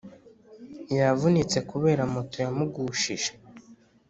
Yavunitse kubera moto yamugushije